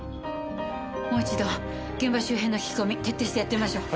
もう一度現場周辺の聞き込み徹底してやってみましょう。